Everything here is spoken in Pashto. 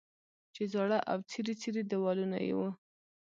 چې زاړه او څیري څیري دیوالونه یې وو.